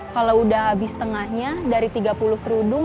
kalau udah habis tengahnya dari tiga puluh kerudung